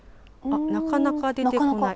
なかなか出てこない。